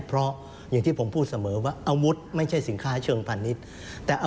เพราะอย่างที่ผมพูดเสมอว่าอาวุธไม่ใช่สินค้าเชิงพาณิชย์